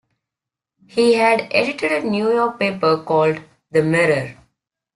He had edited a New York paper called "The Mirror".